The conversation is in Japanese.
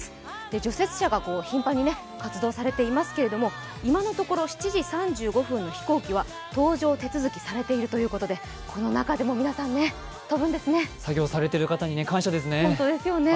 除雪車が頻繁に活動されていますけれども今のところ、７時３５分の飛行機は搭乗手続されているということで作業されている人に感謝ですね。